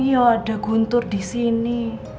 yaudah guntur disini